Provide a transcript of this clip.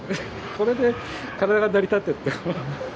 これで体が成り立ってる。